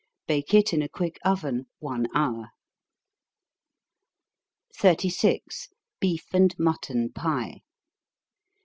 Bake it in a quick oven one hour. 36. _Beef and Mutton Pie.